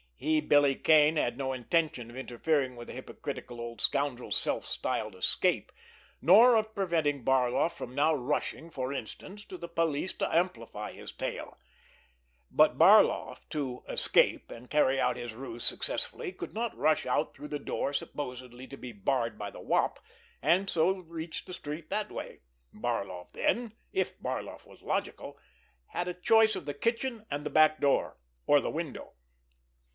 He, Billy Kane, had no intention of interfering with the hypocritical old scoundrel's self styled escape, nor of preventing Barloff now from rushing, for instance, to the police to amplify his tale; but Barloff, to "escape" and carry out his ruse successfully, could not rush out through the door supposed to be barred by the Wop and so reach the street that way! Barloff then, if Barloff were logical, had a choice of the kitchen and back door, or the window.